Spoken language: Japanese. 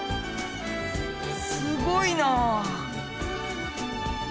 すごいな。